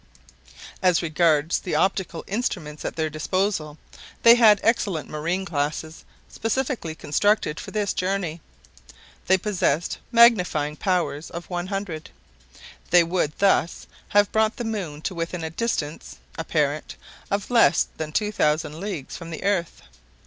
As regards the optical instruments at their disposal, they had excellent marine glasses specially constructed for this journey. They possessed magnifying powers of 100. They would thus have brought the moon to within a distance (apparent) of less than 2,000 leagues from the earth.